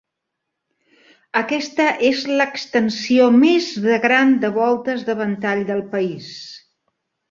Aquesta és l'extensió més de gran de voltes de ventall del país.